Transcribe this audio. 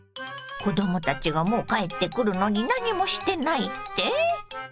子どもたちがもう帰ってくるのに何もしてないって？